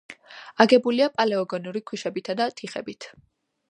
აგებულია პალეოგენური ქვიშაქვებითა და თიხებით.